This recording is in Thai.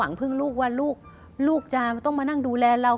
วางพึ่งลูกว่าลูกลูกก็ต้องมานั่งดูแลเรา